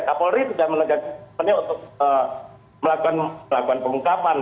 kak polri sudah menegakkan untuk melakukan pengungkapan